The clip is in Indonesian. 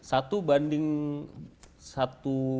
satu banding satu